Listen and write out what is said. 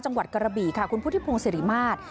จังหวัดกระบี่ค่ะคุณพุทธิพงศิริมาตร